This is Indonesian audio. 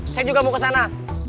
saya juga mau ke sana